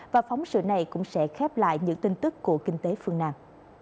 và phóng sự này cũng sẽ khép lại những tin tức của kinh tế phương nam